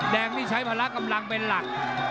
แดงนี่ใช้พละกำลังเป็นหลัก